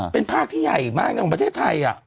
เป็นภาคที่ใหญ่มากในของประเทศไทย